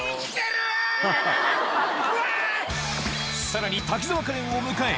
さらに滝沢カレンを迎え